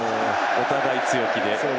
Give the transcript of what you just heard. お互い強気で。